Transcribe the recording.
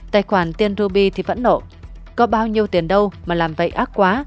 tài khoản tiên ruby thì vẫn nộ có bao nhiêu tiền đâu mà làm vậy ác quá